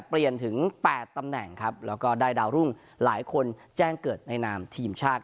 เปลี่ยนถึง๘ตำแหน่งครับแล้วก็ได้ดาวรุ่งหลายคนแจ้งเกิดในนามทีมชาติ